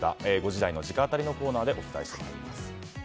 ５時台の直アタリのコーナーでお伝えしていきます。